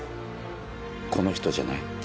この人じゃない？